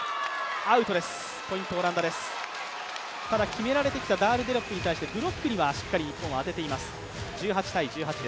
決められてきたダールデロップに対して、ブロックにはしっかり日本当ててきています。